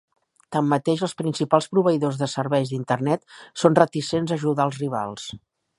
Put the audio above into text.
Tanmateix, els principals proveïdors de serveis d'Internet són reticents a ajudar els rivals.